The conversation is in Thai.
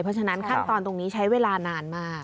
เพราะฉะนั้นขั้นตอนตรงนี้ใช้เวลานานมาก